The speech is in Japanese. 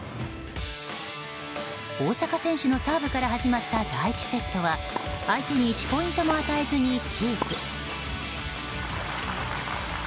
大坂選手のサーブから始まった第１セットは相手に１ポイントも与えずにキープ。